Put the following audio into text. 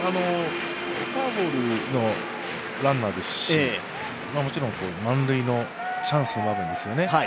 フォアボールのランナーですし、もちろん満塁のチャンスの場面ですよね。